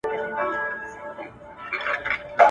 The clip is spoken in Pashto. چي هغه ستا سيورى له مځكي ورك سو